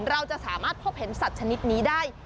เราจะสามารถพบเห็นสัตว์ชนิดนี้ได้